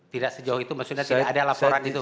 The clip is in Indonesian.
tidak sejauh itu maksudnya tidak ada laporan itu